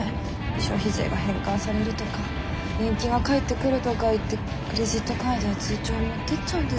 「消費税が返還される」とか「年金が返ってくる」とか言ってクレジットカードや通帳持ってっちゃうんですって。